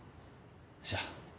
じゃあ。